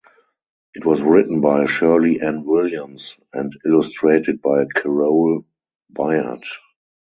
It was written by Sherley Anne Williams and illustrated by Carole Byard.